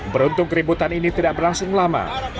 beruntung keributan ini tidak berlangsung lama